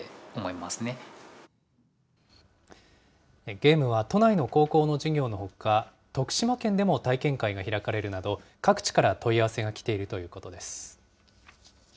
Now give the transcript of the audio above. ゲームは都内の高校の授業のほか、徳島県でも体験会が開かれるなど、各地から問い合わせが来ているということです。